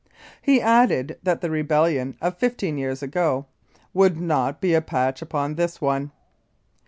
He added that the rebellion of fifteen years ago "would not be a patch upon this one."